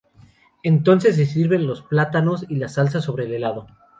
Entonces se sirven los plátanos y la salsa sobre el helado.